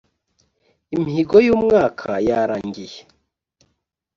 imihigo y ‘umwaka yarangiye.